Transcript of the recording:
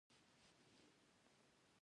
چی د وګړو ترمنځ پر اړیکو، ډلو او ګوندونو